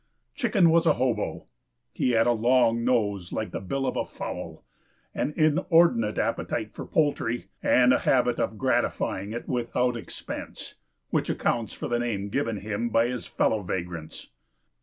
Chicken was a "hobo." He had a long nose like the bill of a fowl, an inordinate appetite for poultry, and a habit of gratifying it without expense, which accounts for the name given him by his fellow vagrants.